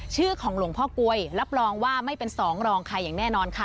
ชื่อของหลวงพ่อกลวยรับรองว่าไม่เป็นสองรองใครอย่างแน่นอนค่ะ